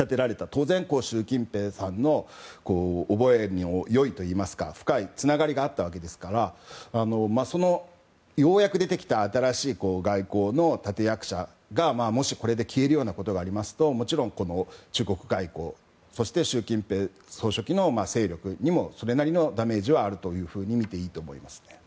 当然、習近平さんの覚えの良いというか深いつながりがあったわけですからようやく出てきた新しい外交の立役者がもし、これで消えるようなことがありますともちろん中国外交そして、習近平主席の勢力にもそれなりのダメージはあるとみていいと思います。